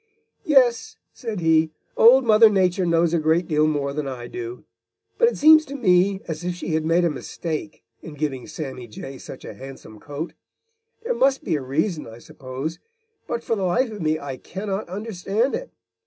"Yes," said he, "Old Mother Nature knows a great deal more than I do, but it seems to me as if she had made a mistake in giving Sammy Jay such a handsome coat. There must be a reason, I suppose, but for the life of me I cannot understand it.